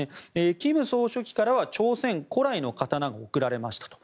金総書記からは朝鮮古来の刀が贈られましたと。